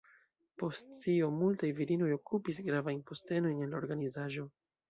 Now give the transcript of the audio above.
Post tio multaj virinoj okupis gravajn postenojn en la organizaĵo.